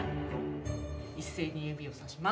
一斉に指をさします。